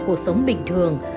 cuộc sống bình thường